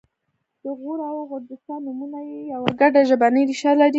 د غور او غرجستان نومونه یوه ګډه ژبنۍ ریښه لري